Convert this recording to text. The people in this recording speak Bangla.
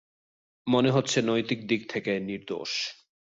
মনে হচ্ছে নৈতিক দিক থেকে নির্দোষ।